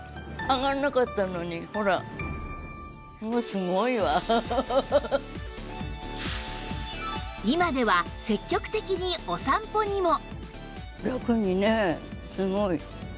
しかし今では積極的にお散歩にも